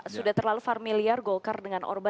sudah terlalu familiar golkar dengan orba